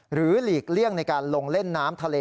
หลีกเลี่ยงในการลงเล่นน้ำทะเล